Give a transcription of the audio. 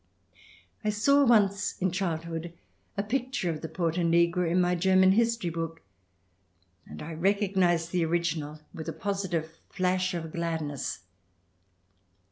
I saw once, in childhood, a picture of the Porta Nigra in my German history book, and I recognized the original with a positive flash of gladness.